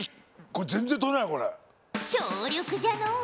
強力じゃのう！